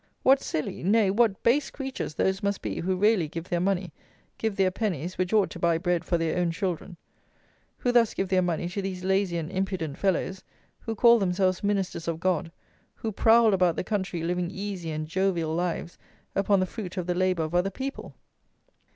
What silly; nay, what base creatures those must be who really give their money, give their pennies, which ought to buy bread for their own children; who thus give their money to these lazy and impudent fellows, who call themselves ministers of God, who prowl about the country living easy and jovial lives upon the fruit of the labour of other people.